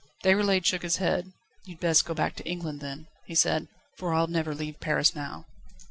Déroulède shook his head. "You'd best go back to England, then," he said, "for I'll never leave Paris now."